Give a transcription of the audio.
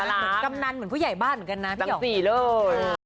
เหมือนกำนันเหมือนผู้ใหญ่บ้านเหมือนกันนะพี่ออกสี่เลย